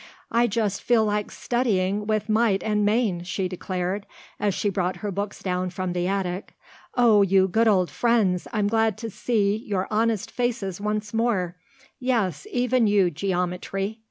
"I feel just like studying with might and main," she declared as she brought her books down from the attic. "Oh, you good old friends, I'm glad to see your honest faces once more yes, even you, geometry.